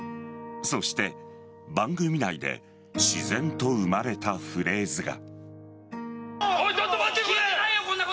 そして番組内で自然と生まれたフレーズが。